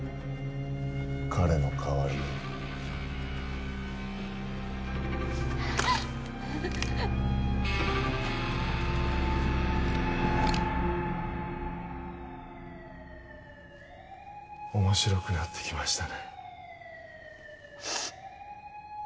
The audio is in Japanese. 彼の代わりに面白くなってきましたね